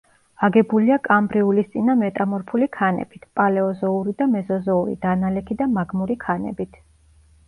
აგებულია კამბრიულისწინა მეტამორფული ქანებით, პალეოზოური და მეზოზოური დანალექი და მაგმური ქანებით.